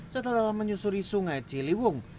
setelah menyusuri sungai ciliwung